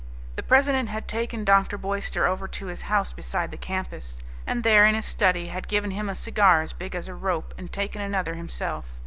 The president had taken Dr. Boyster over to his house beside the campus, and there in his study had given him a cigar as big as a rope and taken another himself.